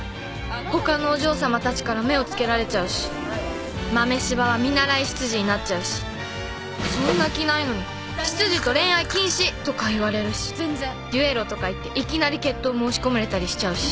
ほかのお嬢さまたちから目を付けられちゃうしマメシバは見習い執事になっちゃうしそんな気ないのに「執事と恋愛禁止」とか言われるし決闘とかいっていきなり決闘申し込まれたりしちゃうし